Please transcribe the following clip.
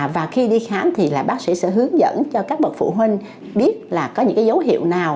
và khi đi khám thì bác sĩ sẽ hướng dẫn cho các bậc phụ huynh biết là có những dấu hiệu nào